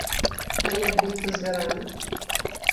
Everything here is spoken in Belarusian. А як быць са звярамі?